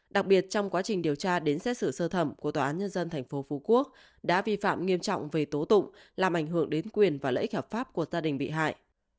đặc biệt trong quá trình điều tra đến xét xử sơ thẩm của tòa án nhân dân tp phú quốc đã vi phạm nghiêm trọng về tố tụng làm ảnh hưởng đến quyền và lợi ích hợp pháp của gia đình bị hại